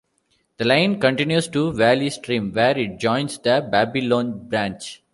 The line continues to Valley Stream where it joins the Babylon Branch.